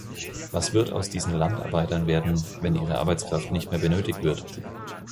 Was wird aus diesen Landarbeitern werden, wenn ihre Arbeitskraft nicht mehr benötigt wird?